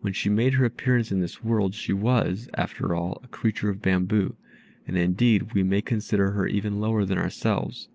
When she made her appearance in this world she was, after all, a creature of bamboo; and, indeed, we may consider her even lower than ourselves.